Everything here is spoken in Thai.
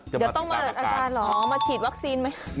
เดี๋ยวต้องมามาฉีดวัคซีนไหม